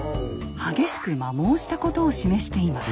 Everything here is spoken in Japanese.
激しく摩耗したことを示しています。